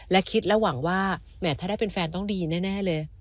และคิดและหวังว่าแหมถ้าได้เป็นแฟนต้องดีแน่เลย